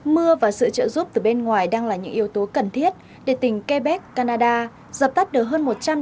mưa và sự trợ giúp từ bên ngoài đang là những yếu tố cần thiết để tỉnh quebec canada dọc tắt được hơn một trăm linh đàm cháy rừng